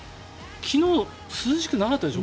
昨日、涼しくなかったでしょ？